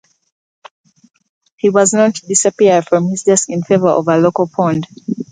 He was known to disappear from his desk in favor of a local pond.